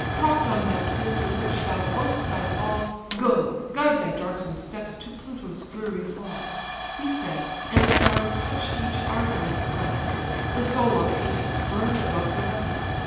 Propp'd on that spear to which thou owest thy fall, Go, guide thy darksome steps to Pluto's dreary hall." He said, and sorrow touch'd each Argive breast: The soul of Ajax burn'd above the rest.